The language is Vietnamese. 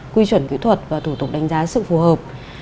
quy chuẩn kỹ thuật và thủ tục đánh giá sự phù hợp